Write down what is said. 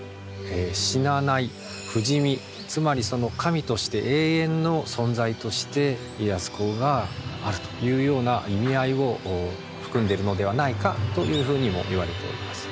死なない不死身つまり神として永遠の存在として家康公があるというような意味合いを含んでいるのではないかというふうにもいわれております。